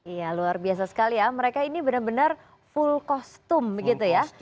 iya luar biasa sekali ya mereka ini benar benar full kostum begitu ya